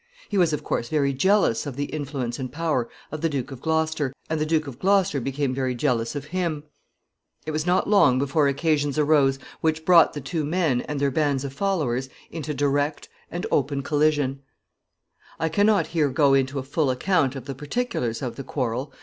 He was, of course, very jealous of the influence and power of the Duke of Gloucester, and the Duke of Gloucester became very jealous of him. It was not long before occasions arose which brought the two men, and their bands of followers, into direct and open collision. [Sidenote: Progress of the quarrel.] I can not here go into a full account of the particulars of the quarrel.